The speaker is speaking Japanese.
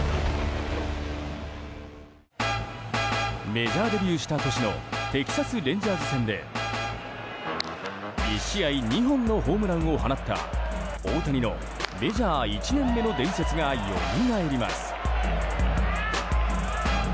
メジャーデビューした年のテキサス・レンジャーズ戦で１試合２本のホームランを放った大谷のメジャー１年目の伝説がよみがえります。